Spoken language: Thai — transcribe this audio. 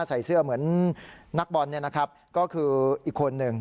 ใส่เสื้อเหมือนนักบอลเนี่ยนะครับก็คืออีกคนนึง